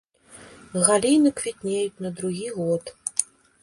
Галіны квітнеюць на другі год.